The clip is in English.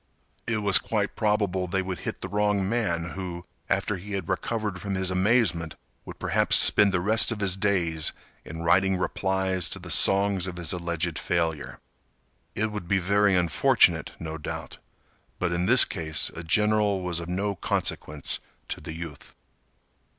It was quite probable they would hit the wrong man who, after he had recovered from his amazement would perhaps spend the rest of his days in writing replies to the songs of his alleged failure. It would be very unfortunate, no doubt, but in this case a general was of no consequence to the youth.